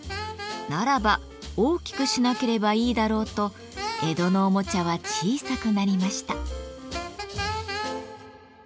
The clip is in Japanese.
ならば大きくしなければいいだろうと江戸のおもちゃは小さくなりました。